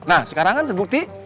nah sekarang kan terbukti